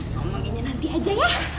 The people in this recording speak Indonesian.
ngomongin yah nanti aja ya